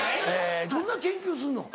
どんな研究すんの？